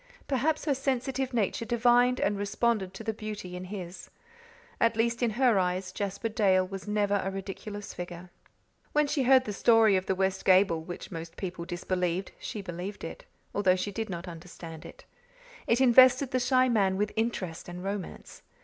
Perhaps her sensitive nature divined and responded to the beauty in his. At least, in her eyes Jasper Dale was never a ridiculous figure. When she heard the story of the west gable, which most people disbelieved, she believed it, although she did not understand it. It invested the shy man with interest and romance.